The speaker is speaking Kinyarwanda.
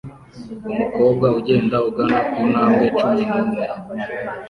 Umukobwa ugenda ugana ku ntambwe cumi n'umwe